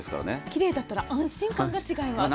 奇麗だったら安心感が違います。